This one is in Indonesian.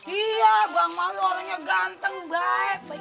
iya bang malu orangnya ganteng baik